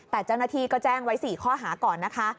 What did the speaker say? แต่เจ้าหน้าที่ก็แจ้งไว้๔ข้อหาก่อนนะคะ